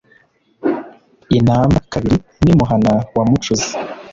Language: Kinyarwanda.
i namba-kabiri n’imuhana wa mucuzi,